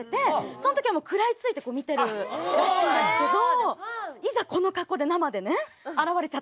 そん時はくらいついて見てるらしいんですけど。